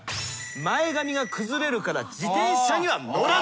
前髪が崩れるから自転車には乗らない。